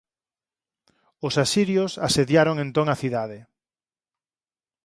Os asirios asediaron entón a cidade.